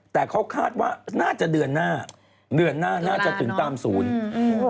แต่เขาคาดว่าน่าจะเดือนหน้าเดือนหน้าน่าจะถึงตามศูนย์อืม